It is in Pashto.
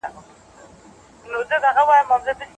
کاري چاپیریال د ذهني فشارونو څخه پاک وي.